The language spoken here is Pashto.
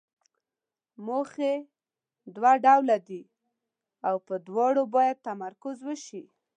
موخې دوه ډوله دي او پر دواړو باید تمرکز وشي.